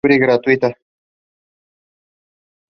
La participación es libre y gratuita.